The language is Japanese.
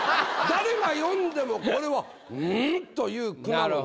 誰が読んでもこれは「うん！」と言う句なのに。